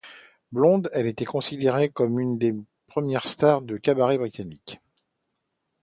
Blonde, elle était considérée comme une des premières stars des cabarets britanniques.